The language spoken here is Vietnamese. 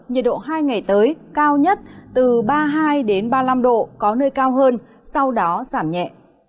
nhiệt độ hai ngày tới cao nhất từ ba mươi hai ba mươi năm độ có nơi cao hơn sau đó giảm nhẹ